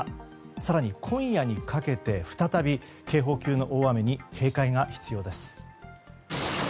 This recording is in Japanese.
更に、今夜にかけて再び警報級の大雨に警戒が必要です。